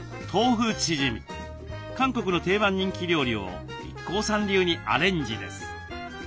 韓国の定番人気料理をＩＫＫＯさん流にアレンジです。